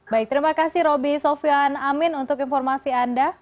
baik terima kasih roby sofyan amin untuk informasi anda